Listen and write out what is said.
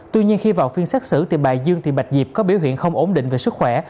tuy nhiên khi vào phiên xác xử thì bà dương thị bạch diệp có biểu hiện không ổn định về sức khỏe